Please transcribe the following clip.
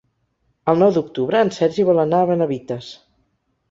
El nou d'octubre en Sergi vol anar a Benavites.